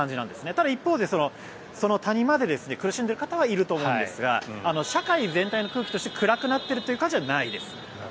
ただ、一方でその谷間で苦しんでいる方はいると思うんですが社会全体の空気として暗くなっているという感じはないです。